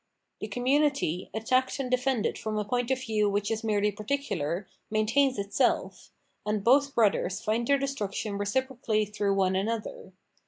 The community, attacked and defended from a point of view which is merely particular, maintains itself ; and both brothers find their destruction reciprocally through one another.